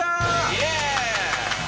イエーイ！